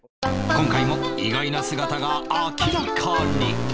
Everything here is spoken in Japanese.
今回も意外な姿が明らかに